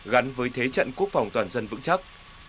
gắn với thế trận quốc phòng toàn dân vững chắc